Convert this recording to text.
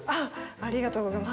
ありがとうございます。